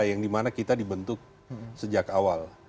yang dimana kita dibentuk sejak awal